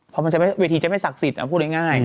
พอมันจะเวทีจะไม่ศักดิ์สิทธิ์พูดง่าย